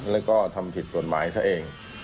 แล้วก็ทำผิดกฎหมายซะเอง